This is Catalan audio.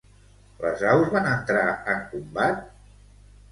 Les aus van entrar en combat?